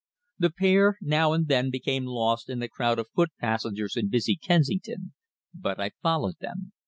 The pair now and then became lost in the crowd of foot passengers in busy Kensington, but I followed them.